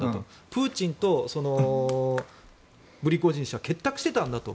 プーチンとプリゴジン氏は結託してたんだと。